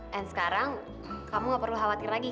dan sekarang kamu gak perlu khawatir lagi